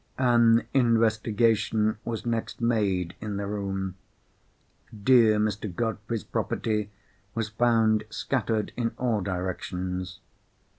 An investigation was next made in the room. Dear Mr. Godfrey's property was found scattered in all directions.